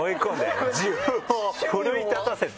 自分を奮い立たせて。